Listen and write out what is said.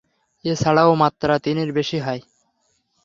এ ছাড়াও মাত্রা তিনের বেশি হয়।